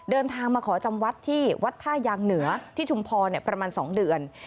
เดินทางมาขอจำวัดที่วัดท่ายางเหนือที่ชุมพรประมาณ๒เดือน